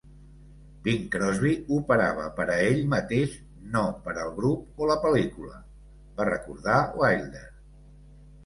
"Bing Crosby operava per a ell mateix, no per al grup o la pel·lícula", va recordar Wilder.